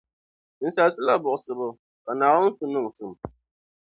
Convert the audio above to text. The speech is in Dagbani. Ninsala sula buɣisibu, ka Naawuni su niŋsim.